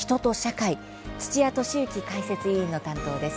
土屋敏之解説委員の担当です。